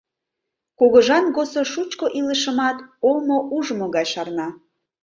Кугыжан годсо шучко илышымат омо ужмо гай шарна.